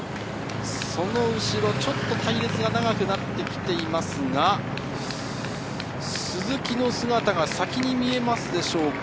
その後ろ、隊列が長くなってきていますが、鈴木の姿が先に見えますでしょうか。